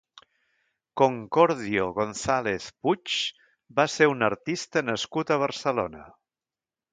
Concordio González Puig va ser un artista nascut a Barcelona.